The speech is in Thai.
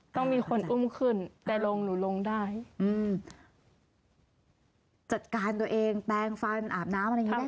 ต้องมีคนอุ้มขึ้นแต่ลงหนูลงได้อืมจัดการตัวเองแปลงฟันอาบน้ำอะไรอย่างเงี้